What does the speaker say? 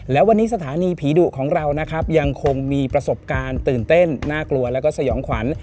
และพีดุในสถานียังมีประสบการณ์ตื่นเต้นหน้ากลัวและสยองขวัญ